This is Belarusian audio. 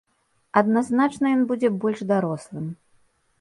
Адназначна ён будзе больш дарослым.